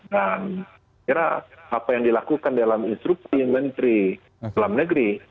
dan kira apa yang dilakukan dalam instruksi menteri selam negeri